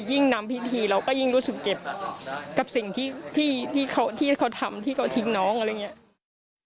ยิ่งนำพิธีเราก็ยิ่งรู้สึกเจ็บกับสิ่งที่เขาทำที่เขาทิ้งน้องอะไรอย่างนี้